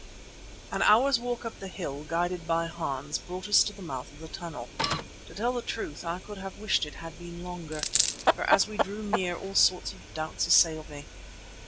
An hour's walk up the hill, guided by Hans, brought us to the mouth of the tunnel. To tell the truth I could have wished it had been longer, for as we drew near all sorts of doubts assailed me.